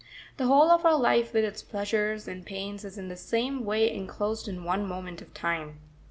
The whole of our life with its pleasures and pains is in the same way enclosed in one moment of time.